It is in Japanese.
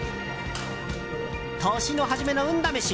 年の初めの運試し！